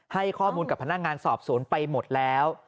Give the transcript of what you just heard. ให้ข้อมูลกับพนักงานสอบสวนไปหมดแล้ว